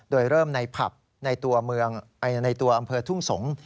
โดยเริ่มในผับในตัวอำเภอทุ่งสงศ์